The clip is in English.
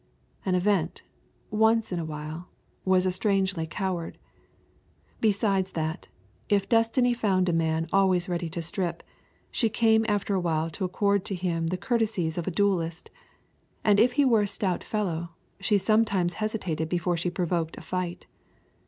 An event, once in a while, was strangely a coward. Besides that, if Destiny found a man always ready to strip, she came after a while to accord to him the courtesies of a duellist, and if he were a stout fellow, she sometimes hesitated before she provoked a fight.